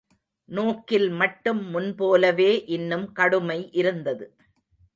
நோக்கில் மட்டும் முன்போலவே இன்னும் கடுமை இருந்தது.